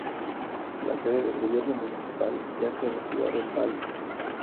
La sede del gobierno municipal yace en la ciudad de Empalme.